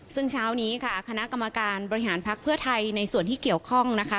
ซึ่งเช้านี้ค่ะคณะกรรมการบริหารพักเพื่อไทยในส่วนที่เกี่ยวข้องนะคะ